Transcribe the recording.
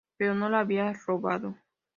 Pero no la había robado.